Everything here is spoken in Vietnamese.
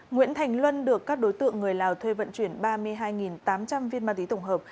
nguyễn thành luân được các đối tượng người lào thuê vận chuyển ba mươi hai tám trăm linh viên ma túy tổng hợp